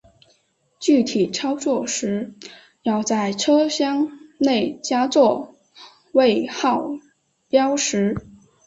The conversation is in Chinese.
具体操作时要在车厢内加座位号标识。